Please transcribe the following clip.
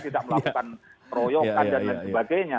tidak melakukan royokan dan sebagainya